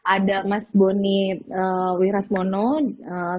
ada mas boni wirasmono sebagai kreator